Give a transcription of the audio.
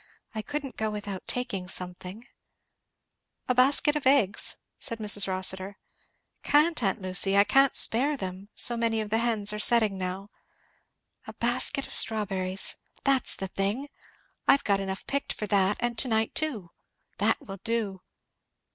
I couldn't go without taking something " "A basket of eggs?" said Mrs. Rossitur. "Can't, aunt Lucy I can't spare them; so many of the hens are setting now. A basket of strawberries! that's the thing! I've got enough picked for that and to night too. That will do!"